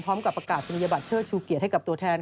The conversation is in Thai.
พร้อมกับประกาศศนียบัตรเชิดชูเกียรติให้กับตัวแทน